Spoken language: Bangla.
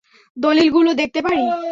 দলীলগুলো দেখতে পারি?